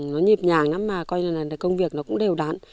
nó nhịp nhàng lắm mà coi như là công việc nó cũng đều đán